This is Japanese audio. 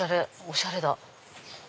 おしゃれだ。